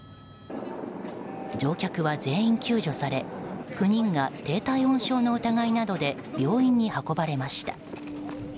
乗客は全員救助され９人が低体温症の疑いなどで病院に運ばれました。